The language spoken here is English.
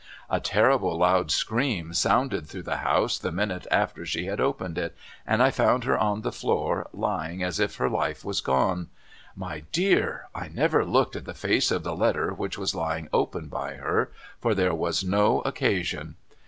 A terrible loud scream sounded through the house the minute after she had opened it, and I found her on the floor lying as if her life was gone. My dear I never looked at the face of the letter which was lying open by her, for there was no occasion.